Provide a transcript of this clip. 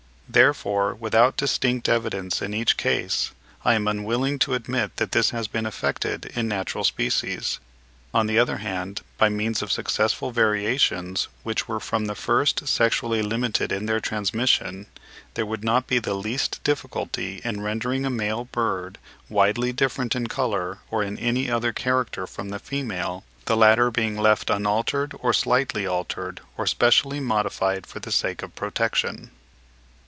Therefore, without distinct evidence in each case, I am unwilling to admit that this has been effected in natural species. On the other hand, by means of successive variations, which were from the first sexually limited in their transmission, there would not be the least difficulty in rendering a male bird widely different in colour or in any other character from the female; the latter being left unaltered, or slightly altered, or specially modified for the sake of protection.